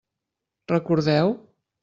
Recordeu?